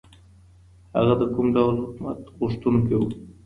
هغه د کوم ډول حکومت غوښتونکی و؟